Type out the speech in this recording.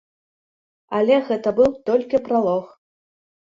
Але гэта быў толькі пралог.